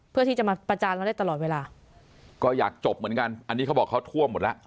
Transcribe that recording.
เพื่อที่จะมาประจานเราได้ตลอดเวลาก็อยากจบเหมือนกันอันนี้เขาบอกเขาท่วมหมดแล้ว